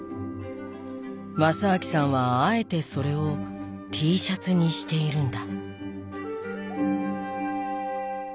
正明さんはあえてそれをＴシャツにしているんだ。